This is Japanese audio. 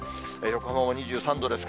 横浜も２３度です。